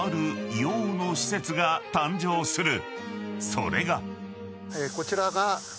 ［それが］